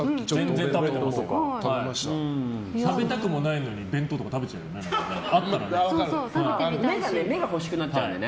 食べたくないのに弁当とか食べちゃうよねあったらね。